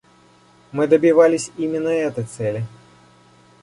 Мы добивались именно этой цели.